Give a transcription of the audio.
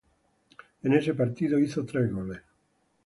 En ese partido hizo tres goles.